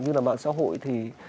như là mạng xã hội thì